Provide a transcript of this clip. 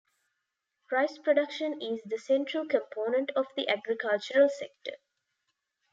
Rice production is the central component of the agricultural sector.